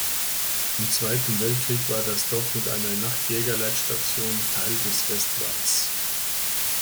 Im Zweiten Weltkrieg war das Dorf mit einer Nachtjäger-Leitstation Teil des Westwalls.